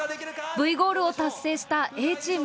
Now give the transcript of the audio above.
Ｖゴールを達成したＡチーム。